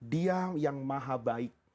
dia yang maha baik